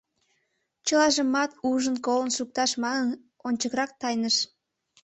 Чылажымат ужын-колын шукташ манын, ончыкрак тайныш.